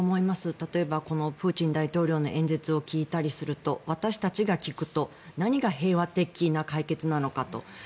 例えば、このプーチン大統領の演説を聞いたりすると私たちが聞くと何が平和的な解決なのかと。